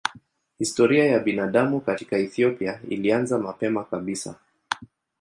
Historia ya binadamu katika Ethiopia ilianza mapema kabisa.